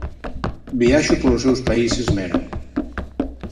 Viaxo polos seus países Mera.